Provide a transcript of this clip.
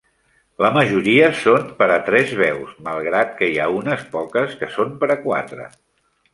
La majoria són per a tres veus, malgrat que hi ha unes poques que són per a quatre.